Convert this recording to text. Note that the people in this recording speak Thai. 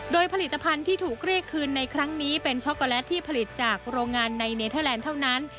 โดยผลิตภัณฑ์ที่ถูกเรียกคืนในครั้งนี้เป็นช็อกโกแลตที่ผลิตจากโรงงานในเนเทอร์แลนด์เท่านั้น